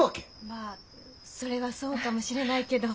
まそれはそうかもしれないけれど。